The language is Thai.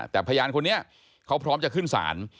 แต่พยานคนนี้เขาพร้อมจะขึ้นศาล